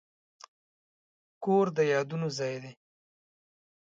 کور د یادونو ځای دی.